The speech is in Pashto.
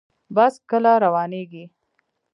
بس کله روانیږي؟